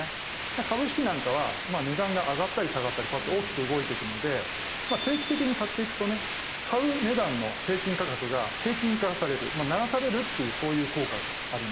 株式なんかは値段が上がったり下がったりこうやって大きく動いていくので定期的に買っていくとね買う値段の平均価格が平均化されるならされるっていうそういう効果があります。